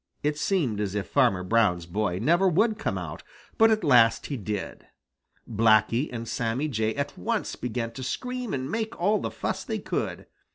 It seemed as if Farmer Brown's boy never would come out, but at last he did. Blacky and Sammy Jay at once began to scream and make all the fuss they could.